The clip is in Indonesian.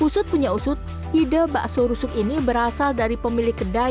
usut punya usut ide bakso rusuk ini berasal dari pemilik kedai